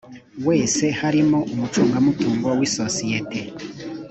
wese harimo umucungamutungo w isosiyete